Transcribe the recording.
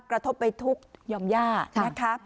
กระทบไปทุกข์ยอมย่านะคะ